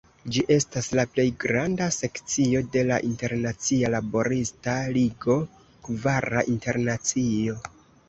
Ĝi estas la plej granda sekcio de la Internacia Laborista Ligo (Kvara Internacio).